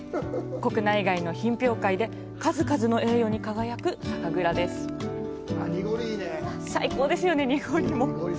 国内外の品評会で数々の栄誉に輝く酒蔵です。